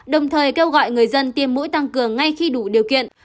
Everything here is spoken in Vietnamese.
đồng thời kêu gọi người dân tiêm mũi tăng cường ngay khi đủ điều kiện